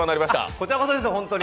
こちらこそです、本当に。